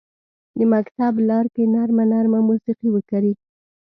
د مکتب لارکې نرمه، نرمه موسیقي وکري